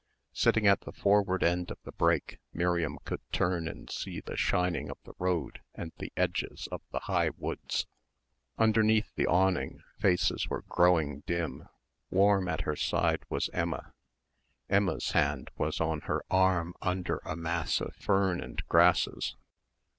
Sitting at the forward end of the brake, Miriam could turn and see the shining of the road and the edges of the high woods. Underneath the awning, faces were growing dim. Warm at her side was Emma. Emma's hand was on her arm under a mass of fern and grasses.